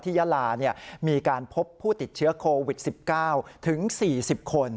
ยาลามีการพบผู้ติดเชื้อโควิด๑๙ถึง๔๐คน